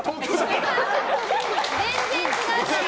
全然違う！